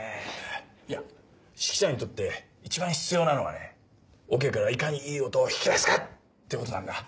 いや指揮者にとって一番必要なのはねオケからいかにいい音を引き出すかってことなんだ。